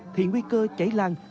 thì nguy cơ cháy lan